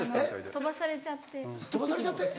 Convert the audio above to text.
飛ばされちゃって？